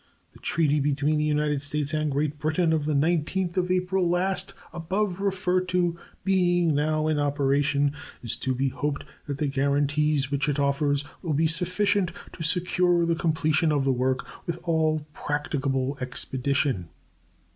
The treaty between the United States and Great Britain of the 19th of April last, above referred to, being now in operation, it is to be hoped that the guaranties which it offers will be sufficient to secure the completion of the work with all practicable expedition.